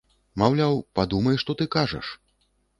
Маўляў, падумай, што ты скажаш.